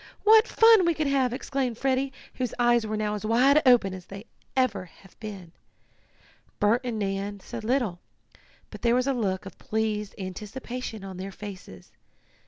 "What fun we could have!" exclaimed Freddie, whose eyes were now as wide open as ever they had been. Bert and Nan said little, but there was a look of pleased anticipation on their faces.